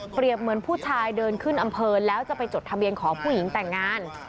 เหมือนผู้ชายเดินขึ้นอำเภอแล้วจะไปจดทะเบียนของผู้หญิงแต่งงาน